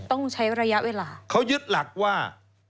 ต้องใช้ระยะเวลาเขายึดหลักว่า